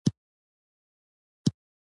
د ښه نظم په اړه حالت ژړونکی دی.